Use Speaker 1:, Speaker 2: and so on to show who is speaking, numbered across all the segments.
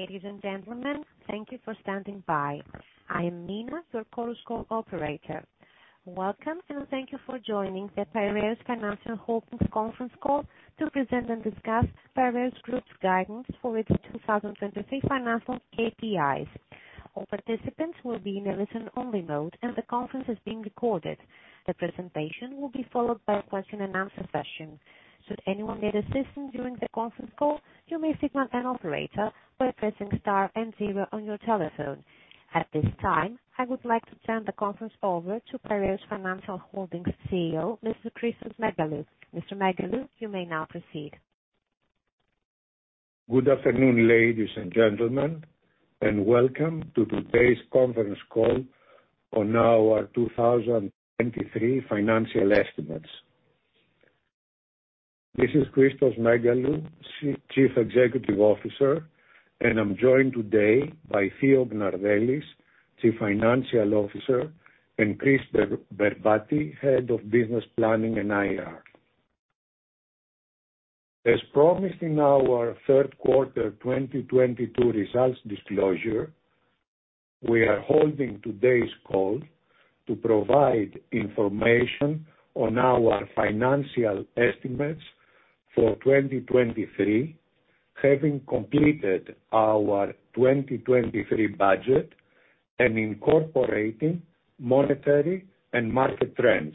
Speaker 1: Ladies and gentlemen, thank you for standing by. I am Nina, your call operator. Welcome. Thank you for joining the Piraeus Financial Holdings conference call to present and discuss Piraeus Group's guidance for its 2023 financial KPIs. All participants will be in a listen-only mode. The conference is being recorded. The presentation will be followed by a question and answer session. Should anyone need assistance during the conference call, you may signal an operator by pressing star and zero on your telephone. At this time, I would like to turn the conference over to Piraeus Financial Holdings CEO, Mr. Christos Megalou. Mr. Megalou, you may now proceed.
Speaker 2: Good afternoon, ladies and gentlemen, and welcome to today's conference call on our 2023 financial estimates. This is Christos Megalou, Chief Executive Officer, and I'm joined today by Theo Gnardellis, Chief Financial Officer, and Chryssanthi Berbati, Head of Business Planning and IR. As promised in our Q3 2022 results disclosure, we are holding today's call to provide information on our financial estimates for 2023, having completed our 2023 budget and incorporating monetary and market trends.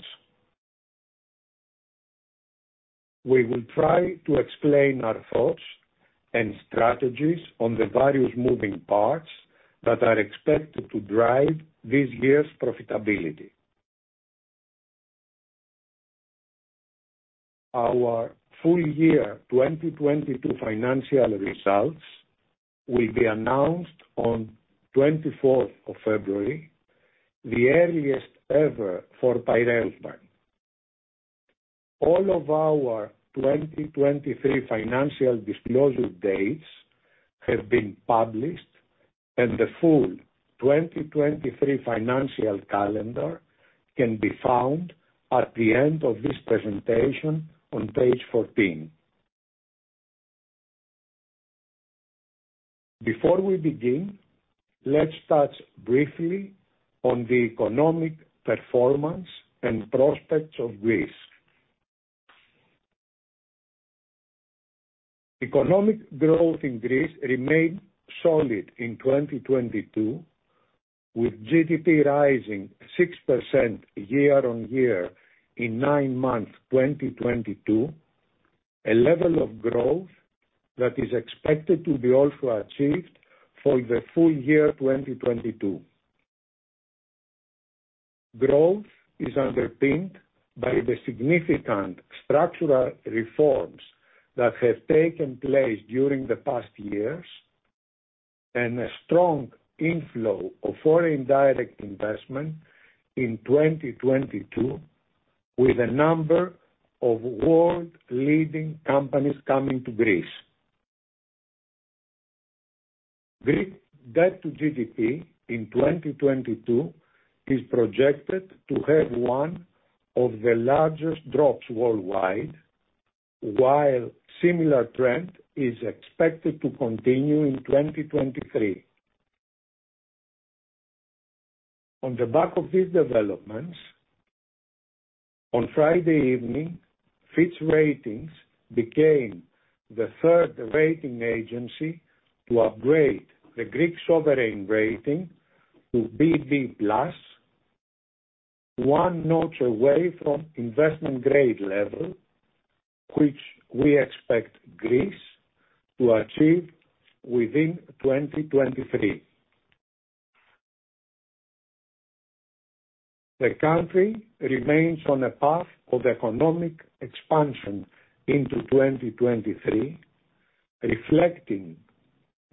Speaker 2: We will try to explain our thoughts and strategies on the various moving parts that are expected to drive this year's profitability. Our full year 2022 financial results will be announced on 24th of February, the earliest ever for Piraeus Bank. All of our 2023 financial disclosure dates have been published, and the full 2023 financial calendar can be found at the end of this presentation on page 14. Before we begin, let's touch briefly on the economic performance and prospects of Greece. Economic growth in Greece remained solid in 2022, with GDP rising 6% year-on-year in nine-month 2022, a level of growth that is expected to be also achieved for the full year 2022. Growth is underpinned by the significant structural reforms that have taken place during the past years, and a strong inflow of foreign direct investment in 2022, with a number of world-leading companies coming to Greece. Greek debt to GDP in 2022 is projected to have one of the largest drops worldwide, while similar trend is expected to continue in 2023. On the back of these developments, on Friday evening, Fitch Ratings became the third rating agency to upgrade the Greek sovereign rating to BB+, one notch away from investment grade level, which we expect Greece to achieve within 2023. The country remains on a path of economic expansion into 2023, reflecting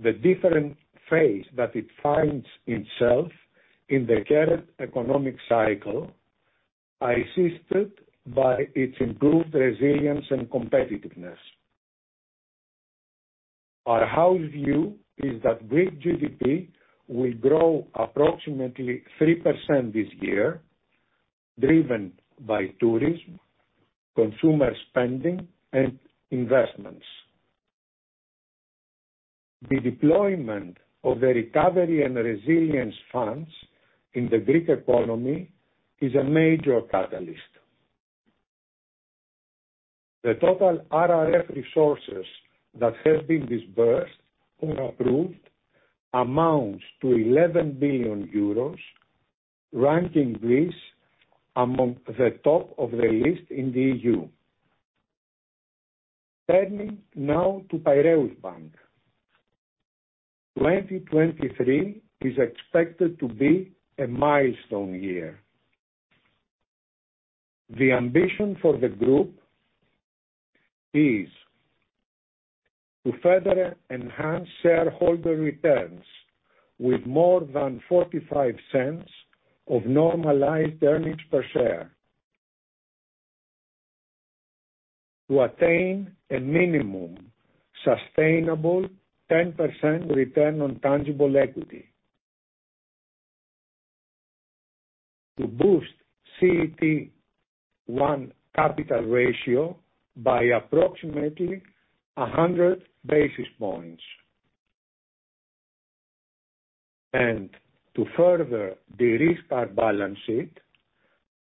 Speaker 2: the different phase that it finds itself in the current economic cycle, assisted by its improved resilience and competitiveness. Our house view is that Greek GDP will grow approximately 3% this year, driven by tourism, consumer spending and investments. The deployment of the recovery and resilience funds in the Greek economy is a major catalyst. The total RRF resources that have been disbursed or approved amounts to 11 billion euros, ranking Greece among the top of the list in the EU. Turning now to Piraeus Bank. 2023 is expected to be a milestone year. The ambition for the group is to further enhance shareholder returns with more than 0.45 of normalized earnings per share. To attain a minimum sustainable 10% return on tangible equity. To boost CET1 capital ratio by approximately 100 basis points. To further de-risk our balance sheet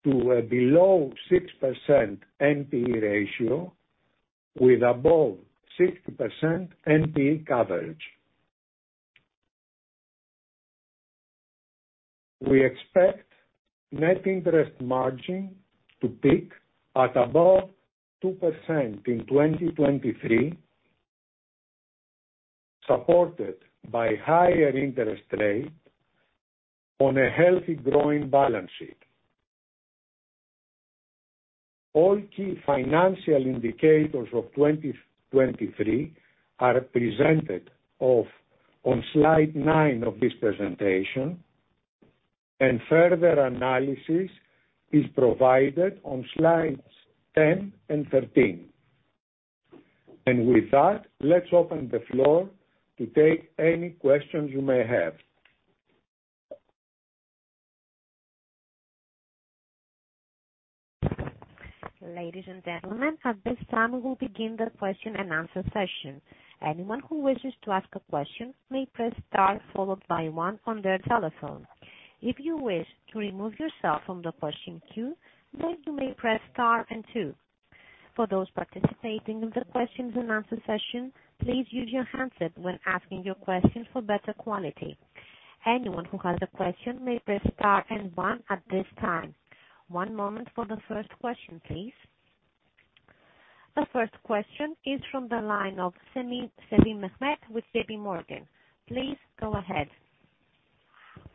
Speaker 2: to a below 6% NPE ratio with above 60% NPE coverage. We expect net interest margin to peak at above 2% in 2023, supported by higher interest rate on a healthy growing balance sheet. All key financial indicators of 2023 are presented on slide 9 of this presentation, and further analysis is provided on slides 10 and 13. With that, let's open the floor to take any questions you may have.
Speaker 1: Ladies and gentlemen, at this time, we'll begin the question-and-answer session. Anyone who wishes to ask a question may press Star followed by one on their telephone. If you wish to remove yourself from the question queue, you may press Star and two. For those participating in the questions and answer session, please use your handset when asking your questions for better quality. Anyone who has a question may press Star and one at this time. One moment for the first question, please. The first question is from the line of Mehmet Sevim with JPMorgan. Please go ahead.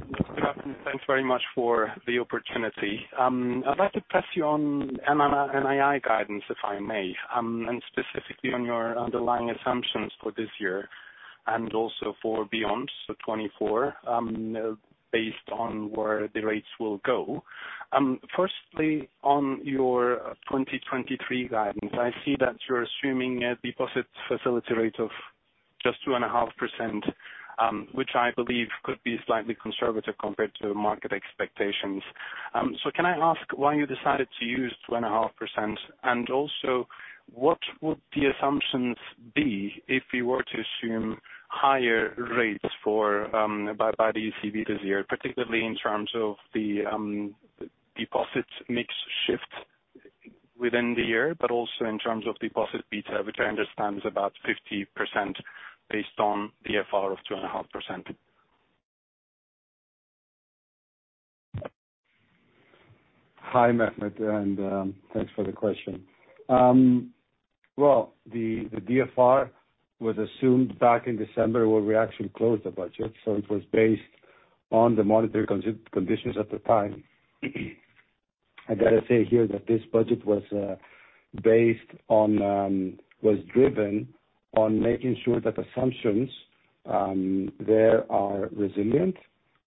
Speaker 3: Good afternoon. Thanks very much for the opportunity. I'd like to press you on NII guidance, if I may, and specifically on your underlying assumptions for this year and also for beyond so 2024, based on where the rates will go. Firstly, on your 2023 guidance, I see that you're assuming a deposit facility rate of just 2.5%, which I believe could be slightly conservative compared to market expectations. Can I ask why you decided to use 2.5%? Also what would the assumptions be if you were to assume higher rates for by the ECB this year, particularly in terms of the deposits mix shift within the year, but also in terms of deposit beta, which I understand is about 50% based on the DFR of 2.5%.
Speaker 4: Hi, Mehmet, thanks for the question. Well, the DFR was assumed back in December when we actually closed the budget. It was based on the monetary conditions at the time. I gotta say here that this budget was driven on making sure that assumptions there are resilient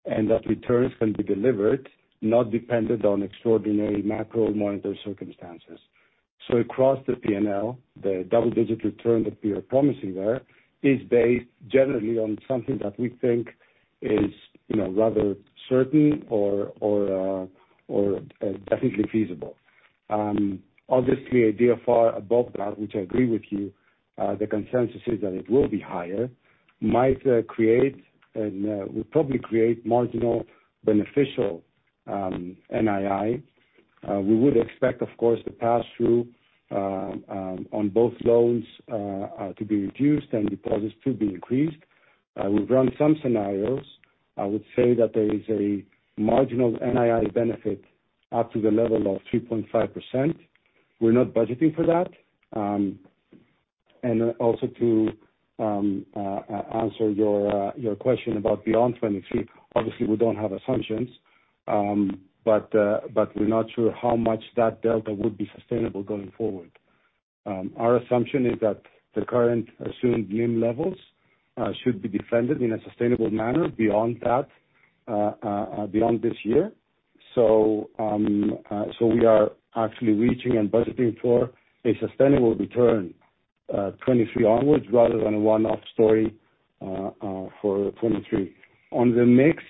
Speaker 4: and that returns can be delivered, not dependent on extraordinary macro monitor circumstances. Across the P&L, the double-digit return that we are promising there is based generally on something that we think is, you know, rather certain or definitely feasible. Obviously a DFR above that, which I agree with you, the consensus is that it will be higher, might create and will probably create marginal beneficial NII. We would expect, of course, the pass-through on both loans to be reduced and deposits to be increased. We've run some scenarios. I would say that there is a marginal NII benefit up to the level of 3.5%. We're not budgeting for that. Also to answer your question about beyond 2023. Obviously, we don't have assumptions, but we're not sure how much that delta would be sustainable going forward. Our assumption is that the current assumed NIM levels should be defended in a sustainable manner beyond that beyond this year. We are actually reaching and budgeting for a sustainable return 2023 onwards rather than a one-off story for 2023. On the mix,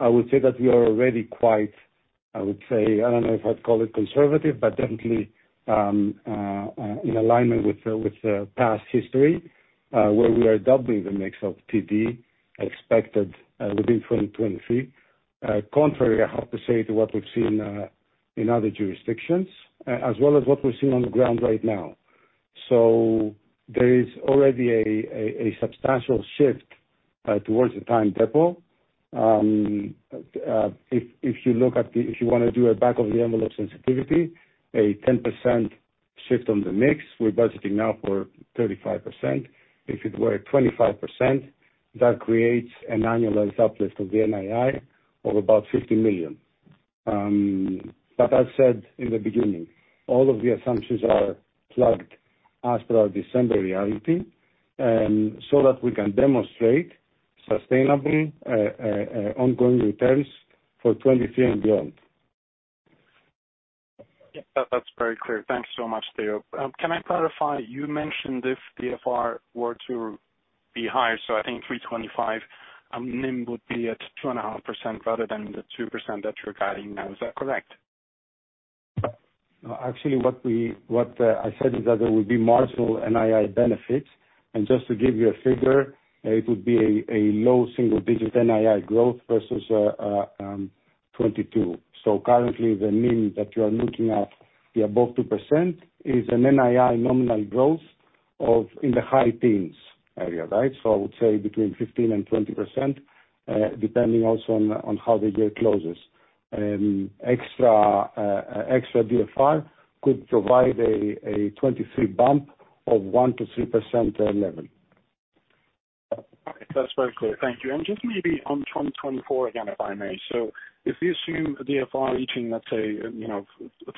Speaker 4: I would say that we are already quite, I would say, I don't know if I'd call it conservative, but definitely, in alignment with the past history, where we are doubling the mix of TD expected within 2023. Contrary, I have to say, to what we've seen in other jurisdictions as well as what we're seeing on the ground right now. There is already a substantial shift towards the time deposit. If you wanna do a back of the envelope sensitivity, a 10% shift on the mix, we're budgeting now for 35%. If it were 25%, that creates an annualized uplift of the NII of about 50 million. I said in the beginning, all of the assumptions are plugged as per our December reality, so that we can demonstrate sustainable, ongoing returns for 2023 and beyond.
Speaker 3: That's very clear. Thanks so much, Theo. Can I clarify, you mentioned if DFR were to be higher, so I think 3.25%, NIM would be at 2.5% rather than the 2% that you're guiding now. Is that correct?
Speaker 4: No, actually what I said is that there will be marginal NII benefits. Just to give you a figure, it would be a low single digit NII growth versus 2022. Currently the NIM that you are looking at above 2% is an NII nominal growth of in the high teens area, right? I would say between 15% and 20%, depending also on how the year closes. Extra DFR could provide a 2023 bump of 1% to 3% level.
Speaker 3: That's very clear. Thank you. Just maybe on 2024 again, if I may. If you assume DFR reaching, let's say, you know,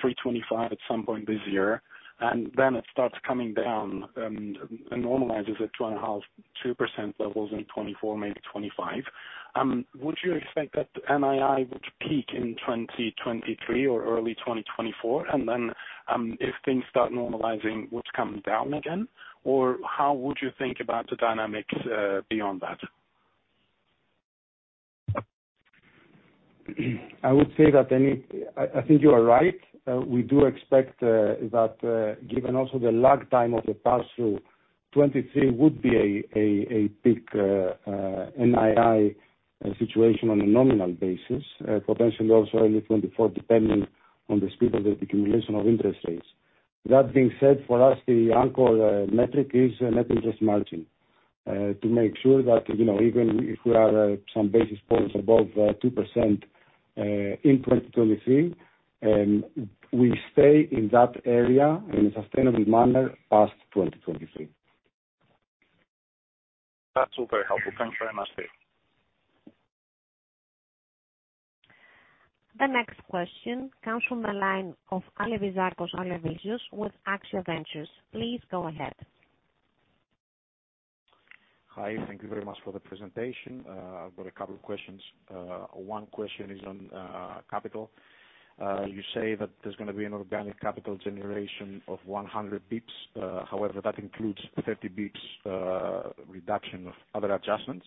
Speaker 3: 3.25 at some point this year, and then it starts coming down, and normalizes at 2.5%, 2% levels in 2024, maybe 2025, would you expect that NII would peak in 2023 or early 2024, and then, if things start normalizing, would come down again? How would you think about the dynamics beyond that?
Speaker 4: I would say that I think you are right. We do expect that given also the lag time of the pass-through, 2023 would be a peak NII situation on a nominal basis, potentially also early 2024, depending on the speed of the accumulation of interest rates. That being said, for us, the anchor metric is net interest margin to make sure that, you know, even if we are some basis points above 2% in 2023, we stay in that area in a sustainable manner past 2023.
Speaker 3: That's all very helpful. Thank you very much, Theo.
Speaker 1: The next question comes from the line of Konstantinos Alivizatos with AXIA Ventures. Please go ahead.
Speaker 5: Hi. Thank you very much for the presentation. I've got a couple of questions. One question is on capital. You say that there's gonna be an organic capital generation of 100 basis points. However, that includes 30 basis points reduction of other adjustments.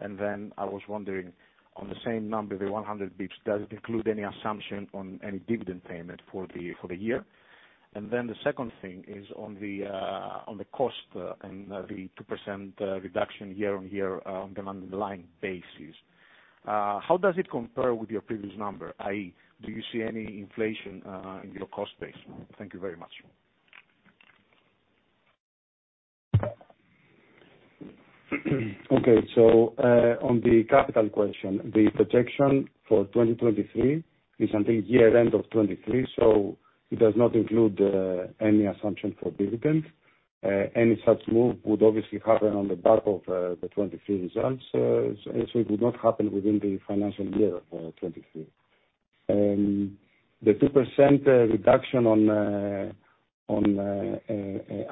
Speaker 5: I was wondering on the same number, the 100 basis points, does it include any assumption on any dividend payment for the year? The second thing is on the cost and the 2% reduction year-over-year on an underlying basis. How does it compare with your previous number? I.e., do you see any inflation in your cost base? Thank you very much.
Speaker 4: Okay. On the capital question, the projection for 2023 is until year end of 23, it does not include any assumption for dividend. Any such move would obviously happen on the back of the 23 results. It would not happen within the financial year of 23. The 2% reduction on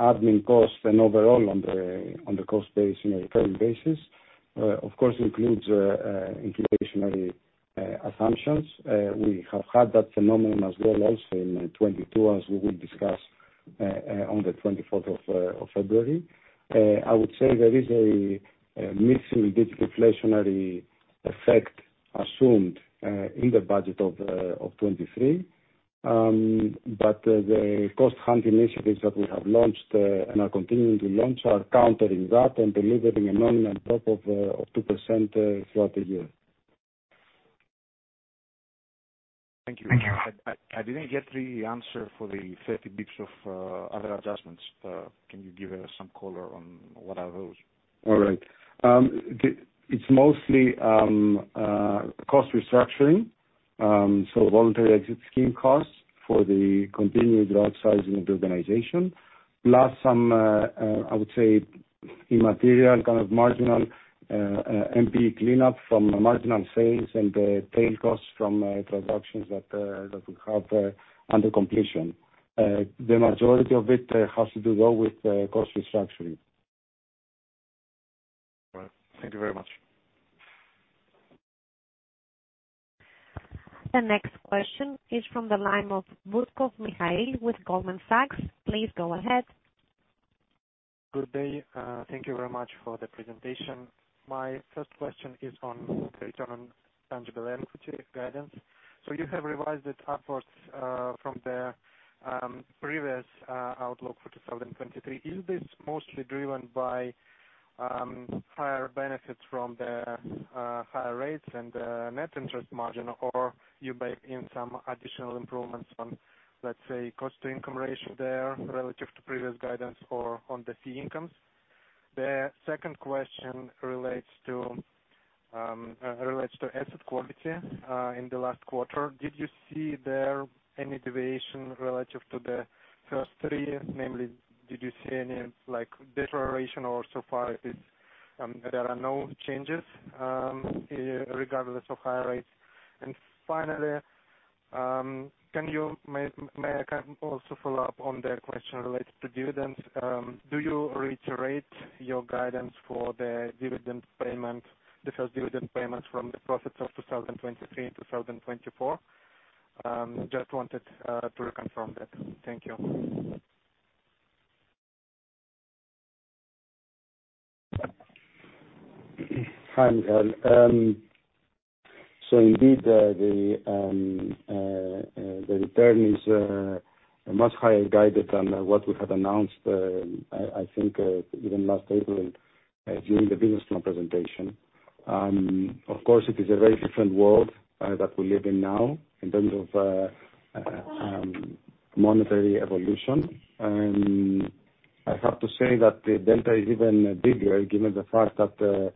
Speaker 4: admin costs and overall on the cost base, you know, recurring basis, of course includes inflationary assumptions. We have had that phenomenon as well also in 2022, as we will discuss on the 24th of February. I would say there is a missing digital inflationary effect assumed in the budget of 23. The cost-cutting initiatives that we have launched, and are continuing to launch are countering that and delivering a nominal drop of 2% throughout the year.
Speaker 5: Thank you. I didn't get the answer for the 30 bips of other adjustments. Can you give some color on what are those?
Speaker 4: All right. It's mostly cost restructuring. Voluntary exit scheme costs for the continued rightsizing of the organization, plus some, I would say immaterial kind of marginal NPE cleanup from marginal sales and tail costs from transactions that we have under completion. The majority of it has to do though with cost restructuring.
Speaker 5: All right. Thank you very much.
Speaker 1: The next question is from the line of Benjamin Caven-Roberts with Goldman Sachs. Please go ahead.
Speaker 6: Good day. Thank you very much for the presentation. My first question is on return on tangible equity guidance. You have revised it upwards from the previous outlook for 2023. Is this mostly driven by higher benefits from the higher rates and net interest margin? Or you bake in some additional improvements on, let's say, cost-to-income ratio there relative to previous guidance or on the fee incomes? The second question relates to asset quality. In the last quarter, did you see there any deviation relative to the first 3? Namely, did you see any, like, deterioration or surprises, there are no changes, regardless of higher rates? Finally, may I also follow up on the question related to dividends? Do you reiterate your guidance for the dividend payment, the first dividend payment from the profits of 2023 and 2024? Just wanted to reconfirm that. Thank you.
Speaker 4: Hi, Michael. Indeed, the return is a much higher guided than what we had announced, I think, even last April, during the business plan presentation. Of course, it is a very different world that we live in now in terms of monetary evolution. I have to say that the delta is even bigger given the fact that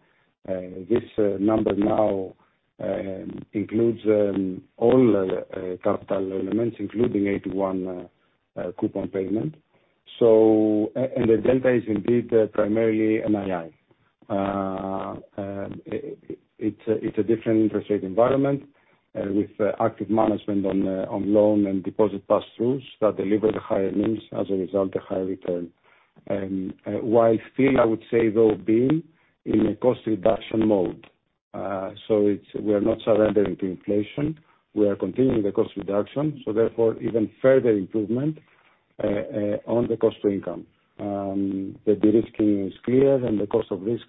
Speaker 4: this number now includes all capital elements, including AT1 coupon payment. And the delta is indeed primarily NII. It's a different interest rate environment with active management on loan and deposit pass-throughs that deliver the higher NIMs, as a result, the higher return. While still, I would say, though, being in a cost reduction mode. We are not surrendering to inflation. We are continuing the cost reduction, so therefore even further improvement on the cost to income. The de-risking is clear, and the cost of risk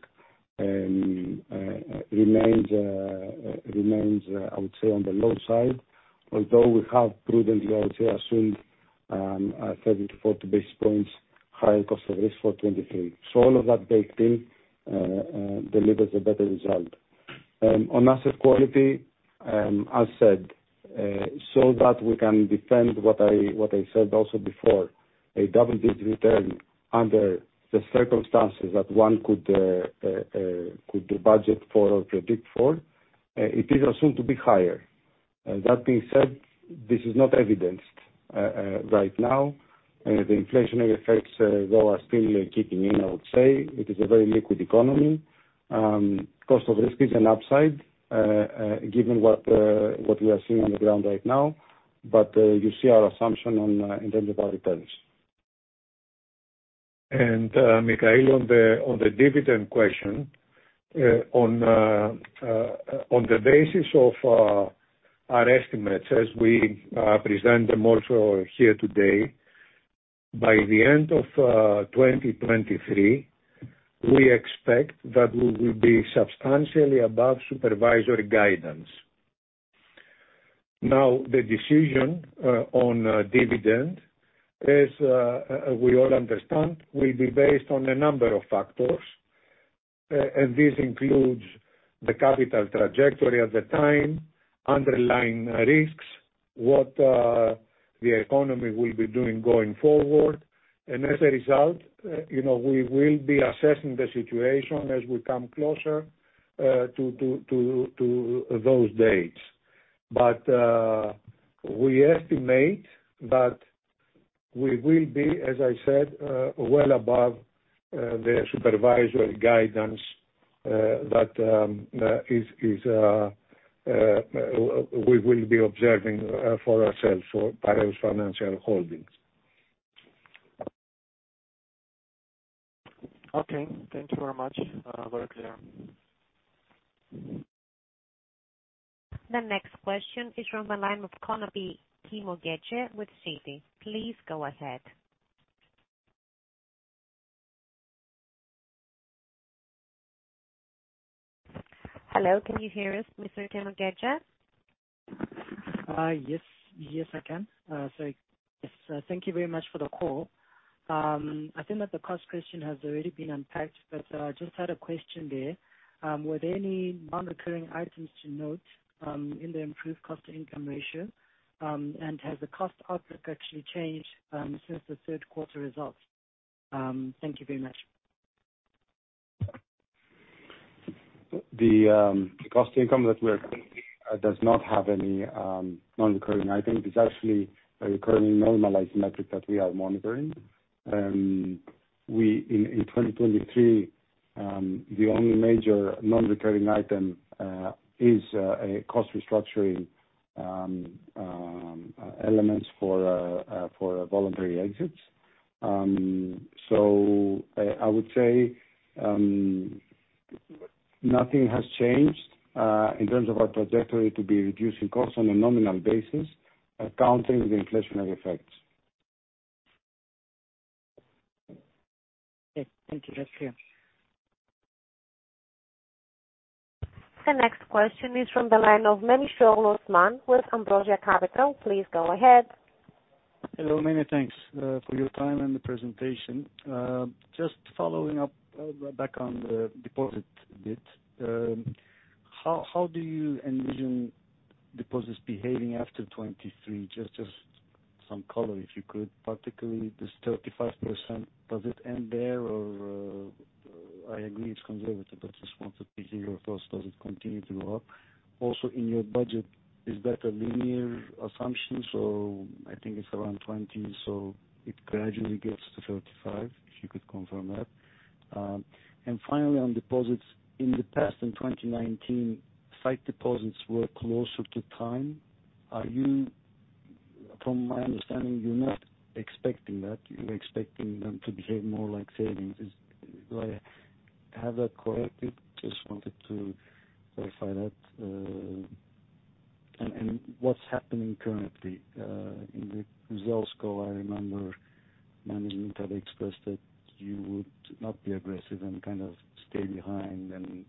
Speaker 4: remains, I would say on the low side, although we have prudently, I would say, assumed 30 to 40 basis points higher cost of risk for 2023. All of that baked in delivers a better result. On asset quality, as said, so that we can defend what I said also before, a double-digit return under the circumstances that one could budget for or predict for, it is assumed to be higher. That being said, this is not evidenced right now. The inflationary effects though are still kicking in, I would say. It is a very liquid economy. Cost of risk is an upside, given what we are seeing on the ground right now, but you see our assumption on in terms of our returns.
Speaker 2: Michael, on the dividend question, on the basis of our estimates as we present them also here today, by the end of 2023, we expect that we will be substantially above supervisory guidance. The decision on dividend, as we all understand, will be based on a number of factors, and this includes the capital trajectory at the time, underlying risks, what the economy will be doing going forward. As a result, you know, we will be assessing the situation as we come closer to those dates. We estimate that we will be, as I said, well above the supervisory guidance that is, we will be observing for ourselves for Piraeus Financial Holdings.
Speaker 6: Okay. Thank you very much. Very clear.
Speaker 1: The next question is from the line of Keamogetse Konopi with Citi. Please go ahead. Hello, can you hear us, Mr. Konopi?
Speaker 7: Yes. Yes, I can. Yes, thank you very much for the call. I think that the cost question has already been unpacked, I just had a question there. Were there any non-recurring items to note in the improved cost-to-income ratio? Has the cost outlook actually changed since the Q3 results? Thank you very much.
Speaker 2: The cost income that we're does not have any non-recurring item. It's actually a recurring normalized metric that we are monitoring. In 2023, the only major non-recurring item is a cost restructuring elements for voluntary exits. I would say nothing has changed in terms of our trajectory to be reducing costs on a nominal basis, accounting the inflationary effects.
Speaker 7: Okay. Thank you. That's clear.
Speaker 1: The next question is from the line of Osman Memisoglu with Ambrosia Capital. Please go ahead.
Speaker 8: Hello. Many thanks for your time and the presentation. Just following up back on the deposit a bit. How do you envision deposits behaving after 2023? Just some color, if you could. Particularly this 35%, does it end there or, I agree it's conservative, but just wanted to hear your thoughts. Does it continue to go up? Also in your budget, is that a linear assumption? I think it's around 20, so it gradually gets to 35, if you could confirm that. Finally on deposits, in the past in 2019, site deposits were closer to time. From my understanding, you're not expecting that. You're expecting them to behave more like savings. Do I have that correct? Just wanted to clarify that. What's happening currently, in the results call, I remember management had expressed that you would not be aggressive and kind of stay behind and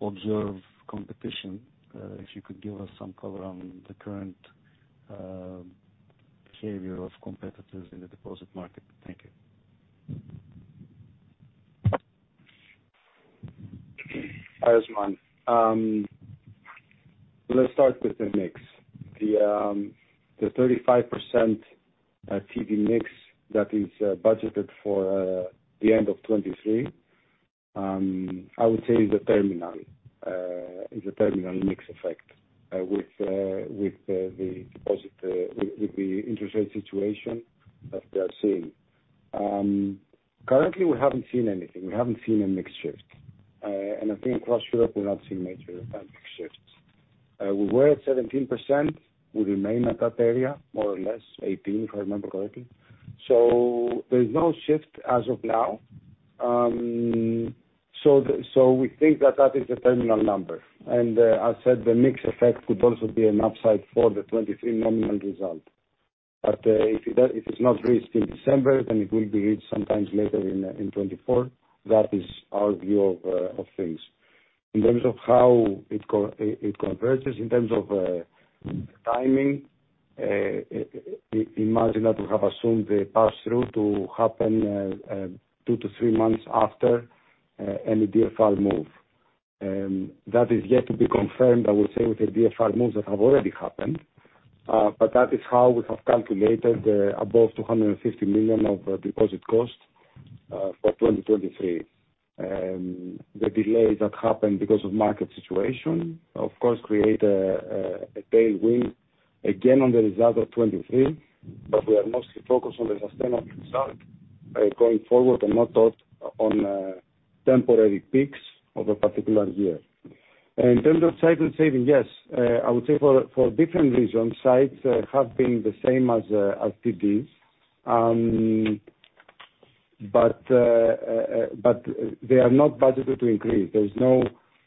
Speaker 8: observe competition. If you could give us some color on the current behavior of competitors in the deposit market. Thank you.
Speaker 4: Hi, Osman. Let's start with the mix. The 35% TD mix that is budgeted for the end of 2023, I would say is a terminal mix effect with the deposit, with the interest rate situation that we are seeing. Currently, we haven't seen anything. We haven't seen a mix shift. I think across Europe, we've not seen major mix shifts. We were at 17%, we remain at that area, more or less 18, if I remember correctly. There's no shift as of now. We think that that is the terminal number. As said, the mix effect could also be an upside for the 2023 nominal result. If it's not reached in December, then it will be reached sometimes later in 2024. That is our view of things. In terms of how it converges, in terms of timing, imagine that we have assumed the pass-through to happen two to three months after any DFR move. That is yet to be confirmed, I will say, with the DFR moves that have already happened. That is how we have calculated the above 250 million of deposit cost for 2023. The delays that happened because of market situation, of course, create a tailwind again on the result of 2023. We are mostly focused on the sustainable result going forward and not on temporary peaks of a particular year. In terms of cycle saving, yes, I would say for different reasons, cycles have been the same as TDs. They are not budgeted to increase. There is no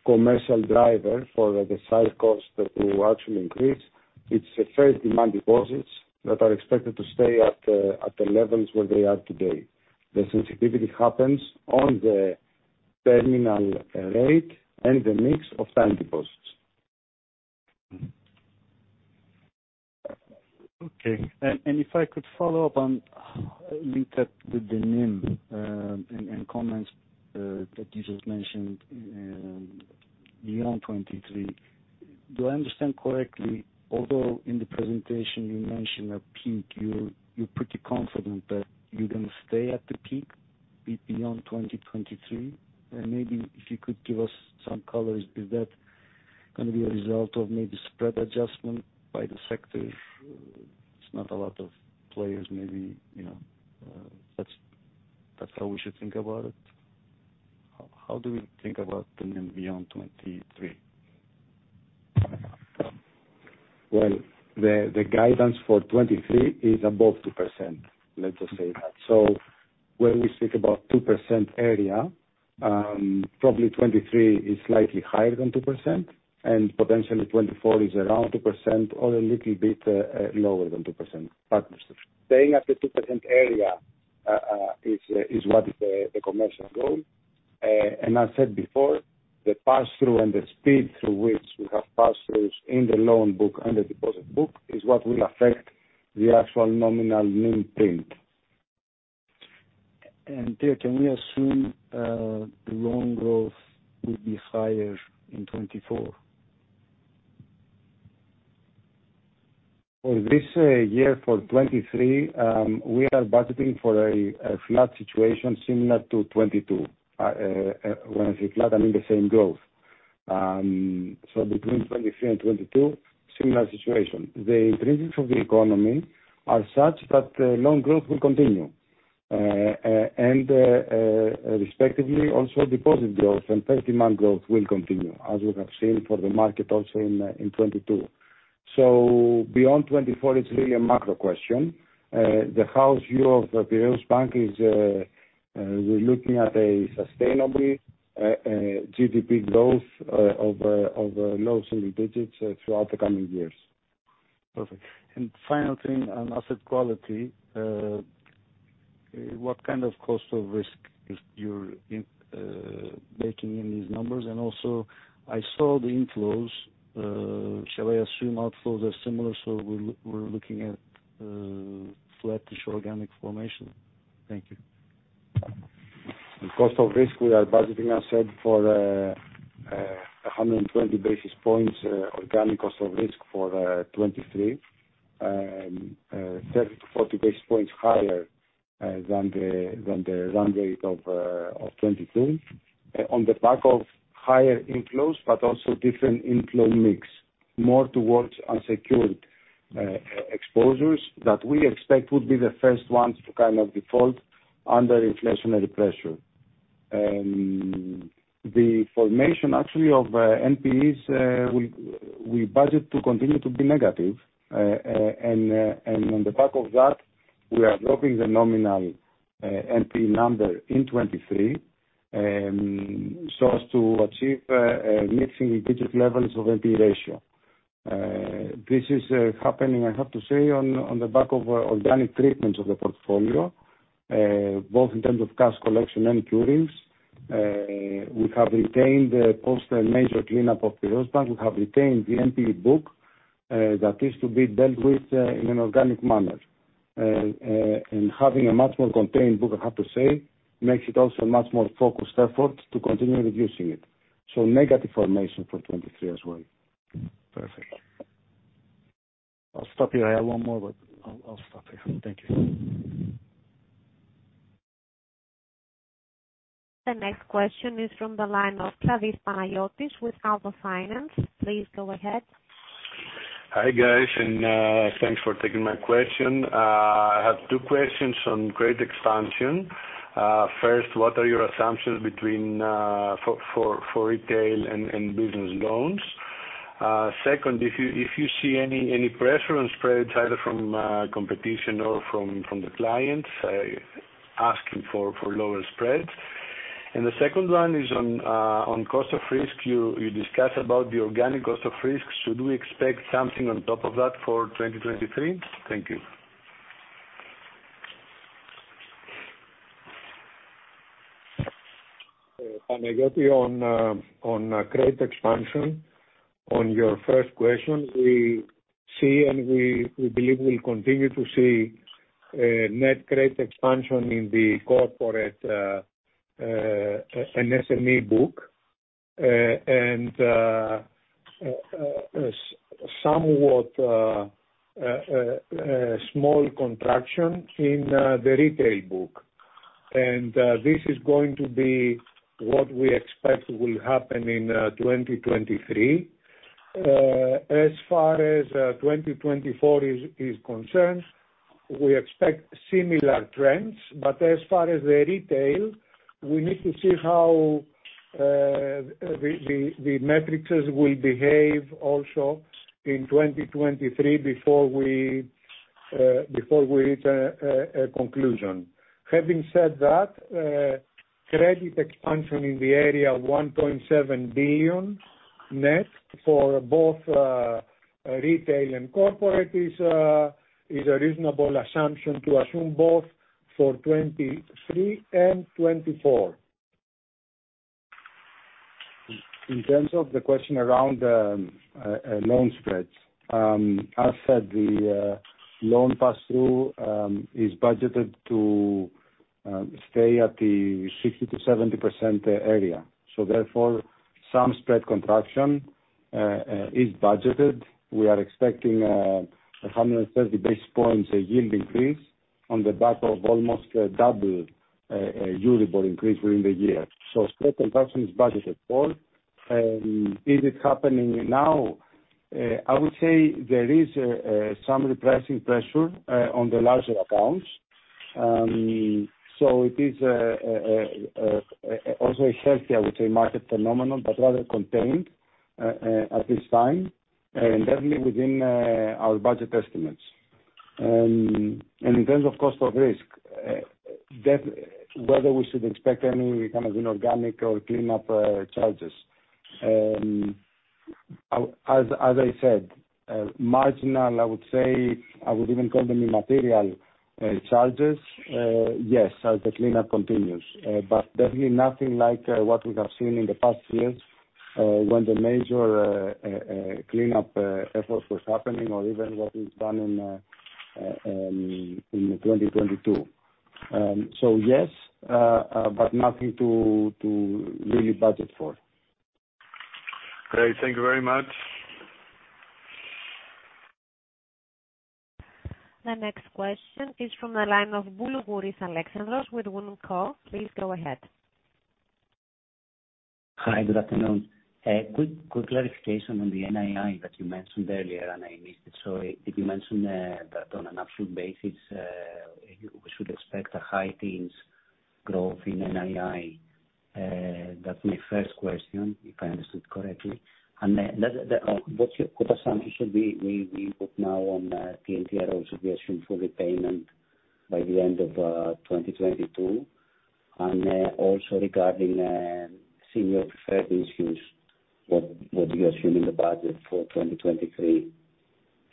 Speaker 4: commercial driver for the cycle cost to actually increase. It's the first demand deposits that are expected to stay at the levels where they are today. The sensitivity happens on the terminal rate and the mix of time deposits.
Speaker 8: Okay. if I could follow up on linked up with the NIM, and comments that you just mentioned, beyond 23. Do I understand correctly, although in the presentation you mentioned a peak, you're pretty confident that you're gonna stay at the peak beyond 2023? maybe if you could give us some color, is that gonna be a result of maybe spread adjustment by the sector? It's not a lot of players maybe, you know, that's how we should think about it. How do we think about the NIM beyond 23?
Speaker 4: Well, the guidance for 2023 is above 2%, let's just say that. When we speak about 2% area, probably 2023 is slightly higher than 2%, and potentially 2024 is around 2% or a little bit lower than 2%. Staying at the 2% area is what the commercial goal. I said before, the pass-through and the speed through which we have pass-throughs in the loan book and the deposit book is what will affect the actual nominal NIM print.
Speaker 8: Theo, can we assume the loan growth will be higher in 2024?
Speaker 4: For this year, for 2023, we are budgeting for a flat situation similar to 2022. When I say flat, I mean the same growth. Between 2023 and 2022, similar situation. The trends of the economy are such that loan growth will continue. Respectively also deposit growth and first demand growth will continue, as we have seen for the market also in 2022. Beyond 2024, it's really a macro question. The house view of the Piraeus Bank is we're looking at a sustainably GDP growth of low single digits throughout the coming years.
Speaker 8: Perfect. Final thing on asset quality, what kind of cost of risk is your making in these numbers? Also, I saw the inflows, shall I assume outflows are similar, so we're looking at flat to show organic formation? Thank you.
Speaker 4: The cost of risk, we are budgeting, I said, for 120 basis points organic cost of risk for 2023. 30 to 40 basis points higher than the run rate of 2022 on the back of higher inflows but also different inflow mix, more towards unsecured exposures that we expect would be the first ones to kind of default under inflationary pressure. The formation actually of NPEs, we budget to continue to be negative. On the back of that, we are dropping the nominal NPE number in 2023. As to achieve mixing in digit levels of NP ratio. This is happening, I have to say, on the back of organic treatments of the portfolio, both in terms of cash collection and curings. We have retained the post major cleanup of the robust bank. We have retained the NPE book, that is to be dealt with, in an organic manner. Having a much more contained book, I have to say, makes it also a much more focused effort to continue reducing it. Negative formation for 2023 as well.
Speaker 8: Perfect. I'll stop here. I have one more, but I'll stop here. Thank you.
Speaker 1: The next question is from the line of Panagiotis Kladis with Alpha Finance. Please go ahead.
Speaker 9: Hi, guys, and thanks for taking my question. I have two questions on credit expansion. First, what are your assumptions between for retail and business loans? Second, if you see any pressure on spreads, either from competition or from the clients asking for lower spreads. The second one is on cost of risk. You discuss about the organic cost of risk. Should we expect something on top of that for 2023? Thank you.
Speaker 4: Panayiotis, on credit expansion, on your first question, we see and we believe we'll continue to see net credit expansion in the corporate SME book, and somewhat a small contraction in the retail book. This is going to be what we expect will happen in 2023. As far as 2024 is concerned, we expect similar trends. As far as the retail, we need to see how the metrics will behave also in 2023 before we reach a conclusion. Having said that, credit expansion in the area of 1.7 billion net for both retail and corporate is a reasonable assumption to assume both for 23 and 24. In terms of the question around loan spreads, as said, the loan pass-through is budgeted too stay at the 60% to 70% area. Therefore, some spread contraction is budgeted. We are expecting 130 basis points yield increase on the back of almost double usable increase during the year. Spread contraction is budgeted for. Is it happening now? I would say there is also a healthy, I would say, market phenomenon, but rather contained at this time, and definitely within our budget estimates. In terms of cost of risk, whether we should expect any kind of inorganic or clean up charges. As I said, marginal, I would say. I would even call them immaterial charges. Yes, as the cleanup continues. Definitely nothing like what we have seen in the past years, when the major cleanup effort was happening or even what is done in 2022. Yes, but nothing to really budget for.
Speaker 9: Great. Thank you very much.
Speaker 1: The next question is from the line of Alexandros Boulougouris with Wood & Co. Please go ahead.
Speaker 10: Hi, good afternoon. A quick clarification on the NII that you mentioned earlier, and I missed it. Did you mention that on an actual basis, we should expect a high teens growth in NII? That's my first question, if I understood correctly. What assumption should we put now on TLTRO should be assumed full repayment by the end of 2022? Also regarding senior preferred issues, what do you assume in the budget for 2023?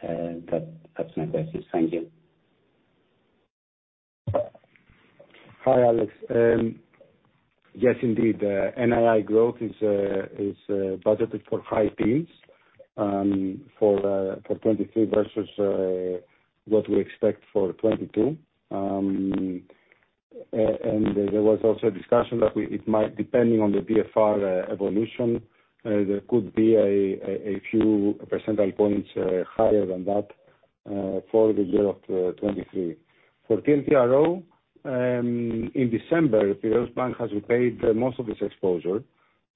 Speaker 10: That's my questions. Thank you.
Speaker 4: Hi, Alex. Yes, indeed. NII growth is budgeted for high teens for 2023 versus what we expect for 2022. There was also a discussion that it might, depending on the DFR evolution, there could be a few percentile points higher than that for the year 2023. For TLTRO, in December, Piraeus Bank has repaid most of its exposure.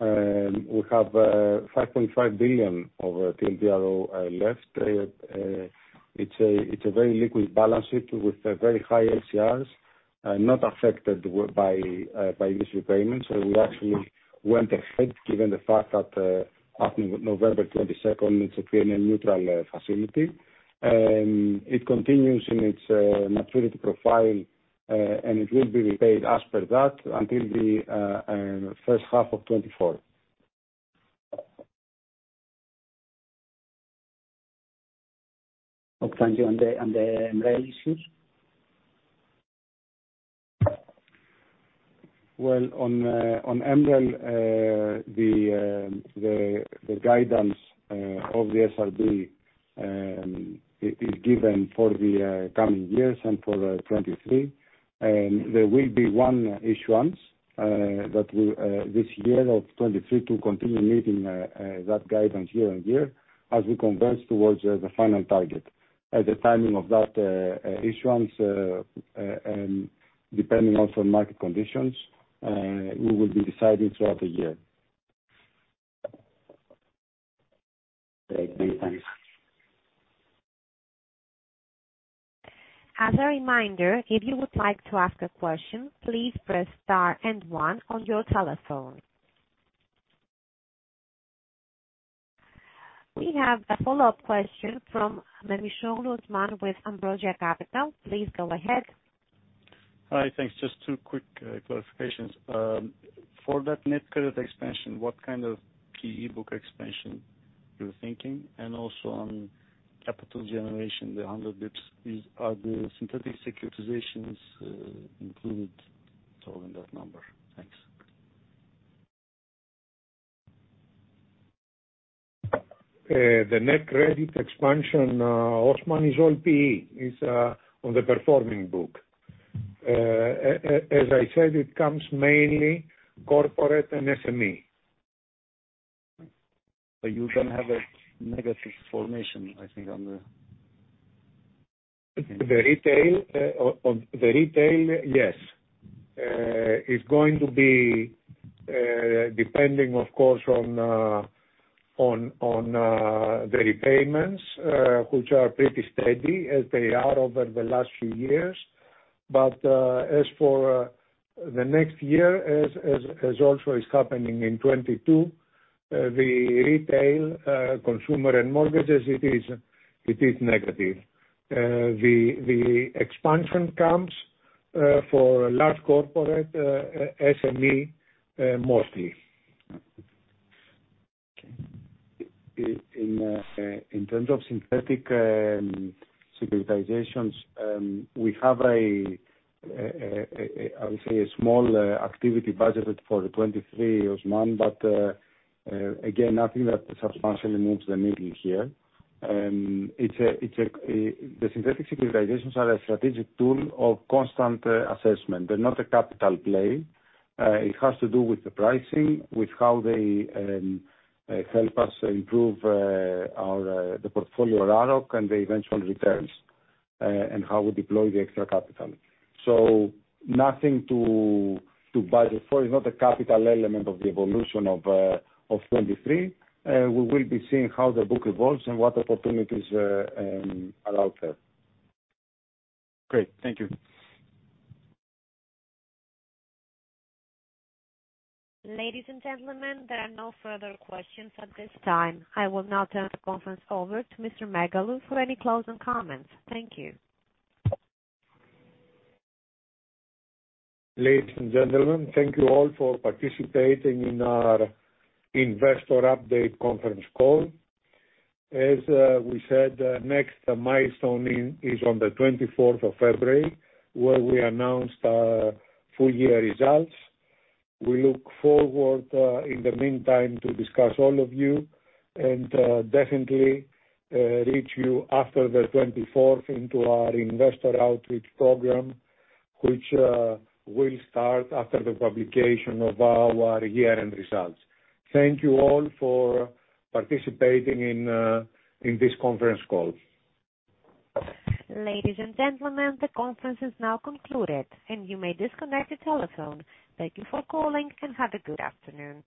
Speaker 4: We have 5.5 billion of TLTRO left. It's a very liquid balance sheet with very high LCRs, not affected by this repayment. We actually went ahead, given the fact that after November 22nd, it's a PNL neutral facility. It continues in its maturity profile, and it will be repaid as per that until the first half of 2024. Oh, thank you. The MREL issues?
Speaker 2: Well, on MREL, the guidance of the SRB is given for the coming years and for 2023. There will be one issuance that will this year of 2023 to continue meeting that guidance year-on-year as we converge towards the final target. The timing of that issuance, depending also on market conditions, we will be deciding throughout the year.
Speaker 10: Great. Many thanks.
Speaker 1: As a reminder, if you would like to ask a question, please press star and one on your telephone. We have a follow-up question from Osman Memisoglu with Ambrosia Capital. Please go ahead.
Speaker 8: Hi. Thanks. Just 2 quick clarifications. For that net credit expansion, what kind of PE book expansion you're thinking? Also on capital generation, the 100 basis points, Are the synthetic securitizations included at all in that number? Thanks.
Speaker 2: The net credit expansion, Osman, is all PE. It's on the performing book. As I said, it comes mainly corporate and SME.
Speaker 8: You then have a negative formation, I think, on the...
Speaker 2: The retail? On the retail, yes. It's going to be depending of course on the repayments, which are pretty steady as they are over the last few years. As for the next year, as also is happening in 2022, the retail consumer and mortgages, it is negative. The expansion comes for large corporate, SME, mostly.
Speaker 8: Okay.
Speaker 4: In terms of synthetic securitizations, we have a, I would say, a small activity budgeted for 2023, Osman. Again, nothing that substantially moves the needle here. The synthetic securitizations are a strategic tool of constant assessment. They're not a capital play. It has to do with the pricing, with how they help us improve our the portfolio RAROC and the eventual returns and how we deploy the extra capital. Nothing to budget for. It's not a capital element of the evolution of 2023. We will be seeing how the book evolves and what opportunities are out there.
Speaker 8: Great. Thank you.
Speaker 1: Ladies and gentlemen, there are no further questions at this time. I will now turn the conference over to Mr. Megalou for any closing comments. Thank you.
Speaker 2: Ladies and gentlemen, thank you all for participating in our investor update conference call. As we said, the next milestone is on the 24th of February, where we announce our full year results. We look forward in the meantime to discuss all of you and definitely reach you after the 24th into our investor outreach program, which will start after the publication of our year-end results. Thank you all for participating in this conference call.
Speaker 1: Ladies and gentlemen, the conference is now concluded, and you may disconnect your telephone. Thank you for calling, and have a good afternoon.